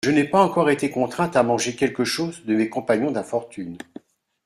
Je n'ai pas encore été contrainte à manger quelque chose de mes compagnons d'infortune.